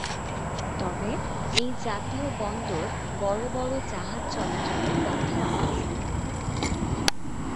তবে এই জাতীয় বন্দর বড়ো বড়ো জাহাজ চলাচলের পক্ষে আদর্শ।